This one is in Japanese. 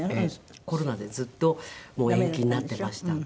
コロナでずっと延期になっていましたんで。